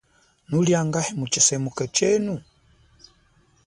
Nuli angahi mutshisemuko chenu ?